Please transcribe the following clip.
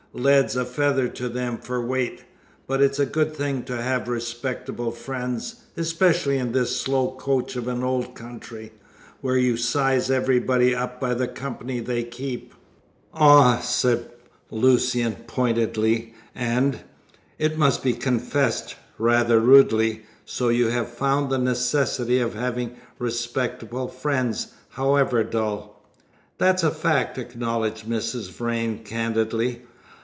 Lead's a feather to them for weight. But it's a good thing to have respectable friends, especially in this slow coach of an old country, where you size everybody up by the company they keep." "Ah!" said Lucian pointedly and it must be confessed rather rudely, "so you have found the necessity of having respectable friends, however dull?" "That's a fact," acknowledged Mrs. Vrain candidly.